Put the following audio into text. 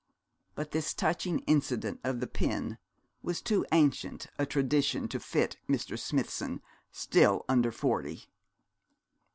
But this touching incident of the pin was too ancient a tradition to fit Mr. Smithson, still under forty.